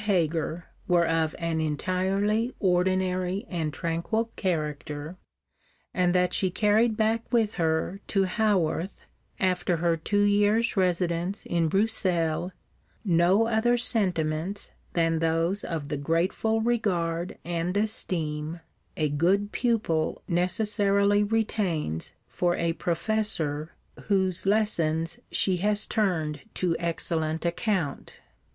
Heger were of an entirely ordinary and tranquil character, and that she carried back with her to Haworth, after her two years' residence in Bruxelles, no other sentiments than those of the grateful regard and esteem a good pupil necessarily retains for a Professor whose lessons she has turned to excellent account.